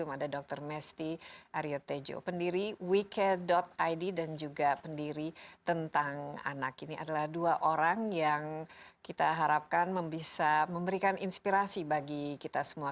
masa ini berikan inspirasi bagi kita semua